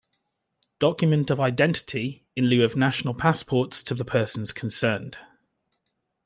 Document of Identity, in lieu of national passports to the persons concerned.